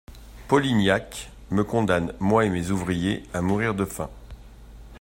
Polignac me condamne, moi et mes ouvriers, à mourir de faim!